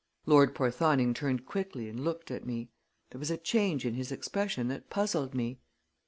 Lord Porthoning turned quickly and looked at me. There was a change in his expression that puzzled me.